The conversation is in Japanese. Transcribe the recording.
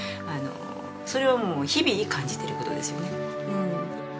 それはもう日々感じてる事ですよね。